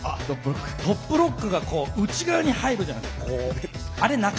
トップロックが内側に入るじゃないですか。